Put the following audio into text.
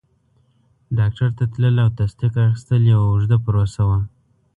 ډاکټر ته تلل او تصدیق اخیستل یوه اوږده پروسه وه.